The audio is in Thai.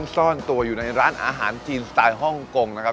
ซ่อนตัวอยู่ในร้านอาหารจีนสไตล์ฮ่องกงนะครับ